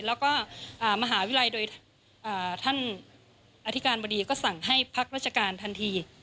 แล้วก็มหาวิทยาลัยโดยท่านอธิการบดีก็สั่งให้พักราชการทันที